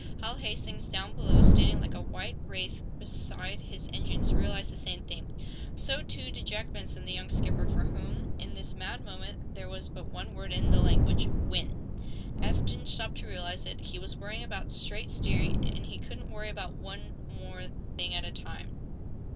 Hal Hastings, down below, standing like a white wraith beside his engines, realized the same thing. So, too, did Jack Benson, the young skipper, for whom, in this mad moment, there was but one word in the language "win!" Eph didn't stop to realize it. He was worrying about straight steering, and he couldn't worry about more than one thing at a time.